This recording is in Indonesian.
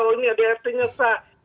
oh ini ada rt nyesak